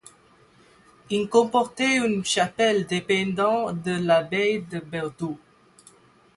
Il comportait une chapelle dépendant de l'abbaye de Berdoues.